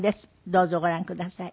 どうぞご覧ください。